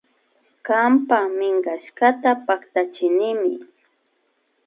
Kanpa minkashkata paktachirkanimi